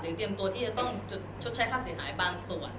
เตรียมตัวที่จะต้องชดใช้ค่าเสียหายบางส่วน